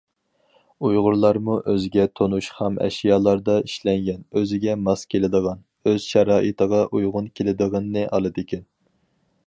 ئۇيغۇرلارمۇ ئۆزىگە تونۇش خام ئەشيالاردا ئىشلەنگەن، ئۆزىگە ماس كېلىدىغان، ئۆز شارائىتىغا ئۇيغۇن كېلىدىغىنىنى ئالىدىكەن.